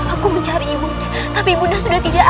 aku mencari ibu nanda tapi ibu nanda sudah tidak ada